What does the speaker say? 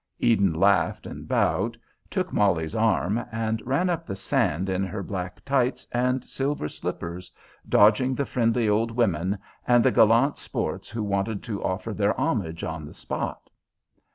Eden laughed and bowed, took Molly's arm, and ran up the sand in her black tights and silver slippers, dodging the friendly old women, and the gallant sports who wanted to offer their homage on the spot.